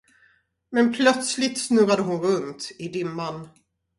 Men plötsligt snurrade hon runt i dimman.